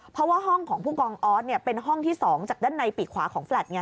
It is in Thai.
เพราะว่าห้องของผู้กองออสเป็นห้องที่๒จากด้านในปีกขวาของแฟลต์ไง